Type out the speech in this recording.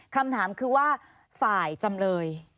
คำถามคือว่าฝ่ายจำเลย